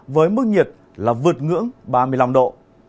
với mức nhiệt là vượt ngưỡng ba mươi năm độ